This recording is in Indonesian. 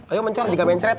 ayo mencar jika mencret